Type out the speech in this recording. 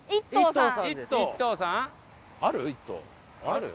ある？